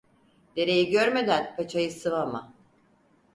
Dereyi görmeden paçayı sıvama.